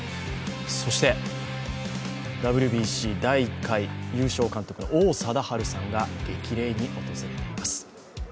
そして、ＷＢＣ第１回優勝監督の王貞治さんが激励に訪れています。